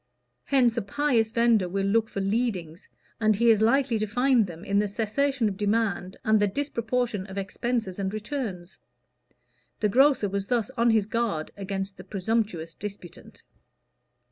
Hence a pious vendor will look for "leadings," and he is likely to find them in the cessation of demand and the disproportion of expenses and returns. The grocer was thus on his guard against the presumptuous disputant.